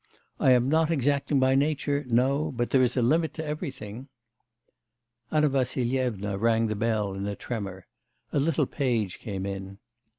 I am not exacting by nature, no, but there is a limit to everything.' Anna Vassilyevna rang the bell in a tremor. A little page came in.